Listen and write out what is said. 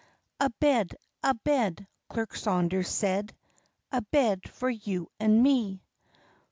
"A bed, a bed," Clerk Saunders said, "A bed for you and me!"